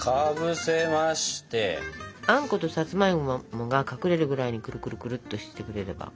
あんことさつまいもが隠れるぐらいにくるくるくるっとしてくれれば。